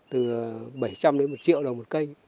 từ bảy trăm linh đến một triệu đồng một cây